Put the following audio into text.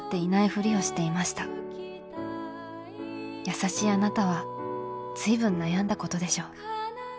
優しいあなたは随分悩んだことでしょう。